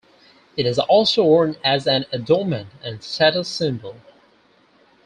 It is also worn as an adornment and status symbol.